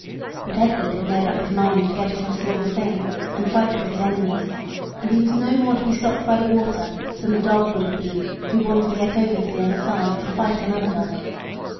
But Edward had made up his mind to get across the river Seine and fight with his enemies; and he was no more to be stopped by the water than a dog would have been who wanted to get over to the other side to fight another dog.